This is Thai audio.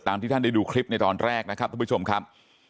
ที่ท่านได้ดูคลิปในตอนแรกนะครับทุกผู้ชมครับ